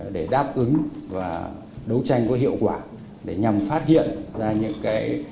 để đáp ứng và đấu tranh có hiệu quả để nhằm phát hiện ra những cái